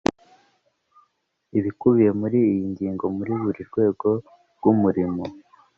ibikubiye muri iyi ngingo muri buri rwego rwumurimo